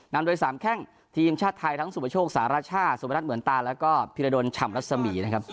นำโดยสามแข้งทีมชาติไทยทั้งสุประโชคสารชาติสุพนัทเหมือนตาแล้วก็พิรดลฉ่ำรัศมีนะครับ